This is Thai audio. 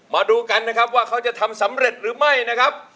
มาดูกันนะครับว่าเขาจะทำสำเร็จหรือไม่นะครับ